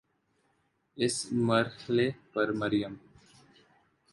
اس مرحلے پر مریم